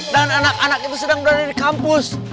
dan anak anak itu sedang berada di kampus